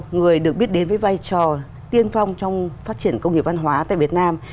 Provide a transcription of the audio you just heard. người được biết đến với vai trò tiên phong trong phát triển công nghiệp văn hóa tại việt nam